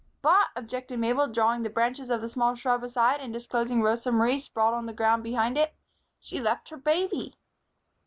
"But," objected Mabel, drawing the branches of a small shrub aside and disclosing Rosa Marie sprawling on the ground behind it, "she left her baby."